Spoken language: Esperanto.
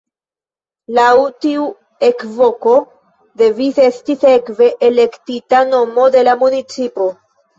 Laŭ tiu ekvoko devis esti sekve elektita nomo de la municipo.